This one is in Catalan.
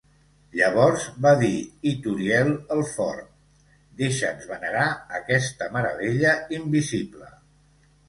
Llavors va dir Ithuriel el fort; deixa'ns venerar aquesta meravella invisible!